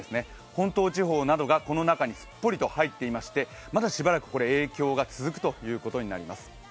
本島地方などがこの中にすっぽりと入っていましてまだしばらく影響が続くということになります。